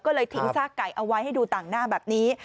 ก็เลยทิ้งซากไก่เอาไว้ให้ดูต่างหน้าแบบนี้